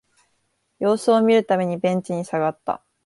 様子を見るためベンチに下がった